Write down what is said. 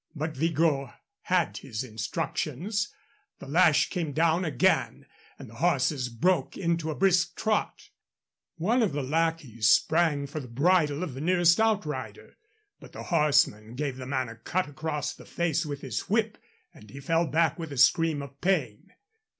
But Vigot had his instructions. The lash came down again and the horses broke into a brisk trot. One of the lackeys sprang for the bridle of the nearest outrider, but the horseman gave the man a cut across the face with his whip, and he fell back with a scream of pain.